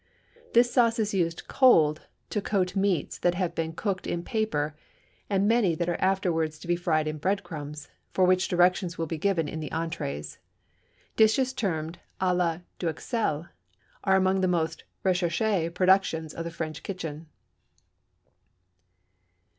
This sauce is used cold to coat meats that have to be cooked in paper, and many that are afterwards to be fried in bread crumbs, for which directions will be given in the entrées. Dishes termed à la d'Uxelles are among the most recherché productions of the French kitchen.